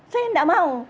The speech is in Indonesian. saya tidak mau